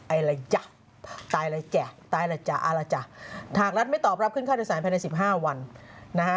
ไอล่ะจ๊ะตายล่ะจ๊ะถากรัฐไม่ตอบรับขึ้นข้าวโดยสารภายใน๑๕วัน